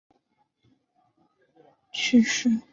年轻时去世。